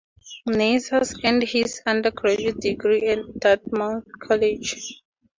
Nasser earned his undergraduate degree at Dartmouth College.